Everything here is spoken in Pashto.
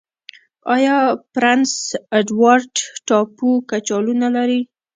آیا پرنس اډوارډ ټاپو کچالو نلري؟